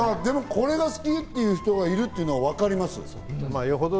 これが好きっていう人がいるっていうの分かります。